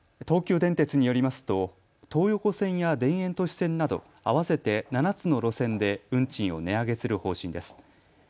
東急電鉄によりますと東横線や田園都市線など合わせて７つの路線で運賃を値上げする方針です。